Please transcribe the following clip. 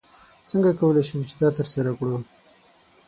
څنګه کولی شو چې دا ترسره کړو؟